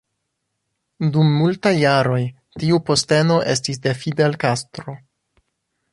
Dum multaj jaroj tiu posteno estis de Fidel Castro.